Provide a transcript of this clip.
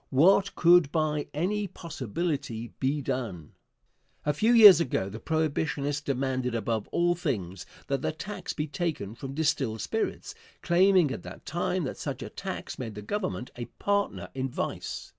What could by any possibility be done? A few years ago the Prohibitionists demanded above all things that the tax be taken from distilled spirits, claiming at that time that such a tax made the Government a partner in vice.